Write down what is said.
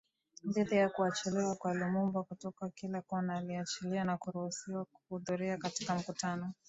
dhidi ya kuachiliwa kwa Lumumba kutoka kila kona aliachiliwa na kuruhusiwa kuhudhuria katika mkutano